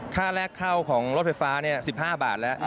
แรกเข้าของรถไฟฟ้า๑๕บาทแล้ว